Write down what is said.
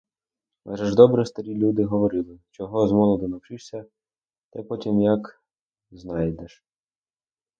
Адже ж добре старі люди говорили: чого замолоду навчишся, те потім як знайдеш.